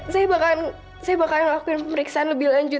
saya bakalan lakukan pemeriksaan lebih lanjut